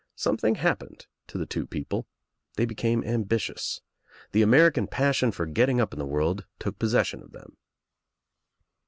Something happened to the two people. Th?y became ambitious. The Ameri can passion for getting up in the world took possession of them.